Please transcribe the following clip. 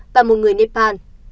và một người nepal